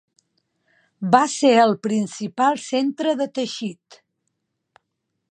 Va ser el principal centre de teixit.